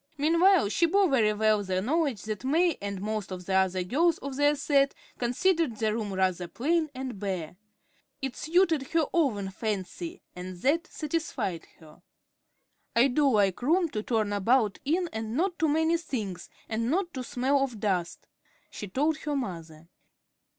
Meanwhile, she bore very well the knowledge that May and most of the other girls of their set considered her room rather "plain and bare." It suited her own fancy, and that satisfied her. "I do like room to turn about in and not too many things, and not to smell of dust," she told her mother.